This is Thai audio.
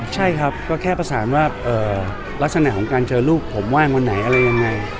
ใช่ครับก็แค่ประสานว่าลักษณะของการเจอลูกผมว่างวันไหนอะไรยังไง